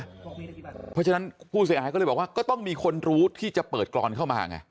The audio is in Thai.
เพราะฉะนั้นผู้เสียหายก็เลยบอกว่าก็ต้องมีคนรู้ที่จะเปิดกรอนเข้ามาไง